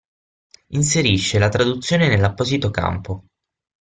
Inserisce la traduzione nell'apposito campo.